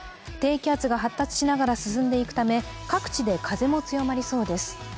低気圧が発達しながら進んでいくため各地で風も強まりそうです。